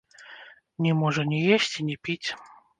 Не можа ні есці, ні піць.